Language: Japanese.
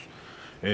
え